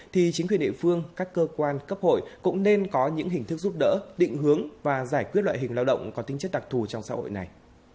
thì chính quyền địa phương các cơ quan cấp hội cũng nên có những hình thức giúp đỡ định hướng và giải quyết loại hình lao động có tính chất đặc thù trong xã hội này